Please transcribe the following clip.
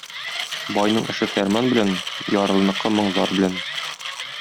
Байның эше фәрман белән, ярлыныкы моң-зар белән.